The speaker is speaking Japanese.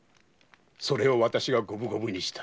それを私が五分五分にした。